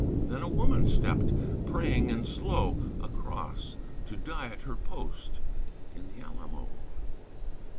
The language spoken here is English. Then a woman stepped, praying, and slow Across; to die at her post in the Alamo.